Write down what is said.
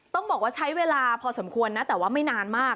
ต้องบอกว่าใช้เวลาพอสมควรนะแต่ว่าไม่นานมาก